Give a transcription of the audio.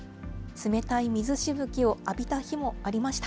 冷たい水しぶきを浴びた日もありました。